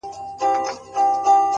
• مخ یې ونیوی د نیل د سیند پر لوري,